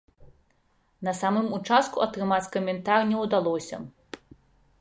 На самым участку атрымаць каментар не ўдалося.